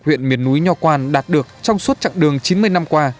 huyện miền núi nho quang đạt được trong suốt chặng đường chín mươi năm qua